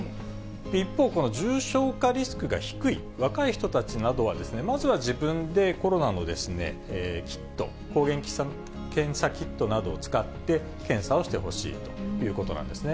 一方、重症化リスクが低い若い人たちなどは、まずは自分でコロナのキット、抗原検査キットなどを使って検査をしてほしいということなんですね。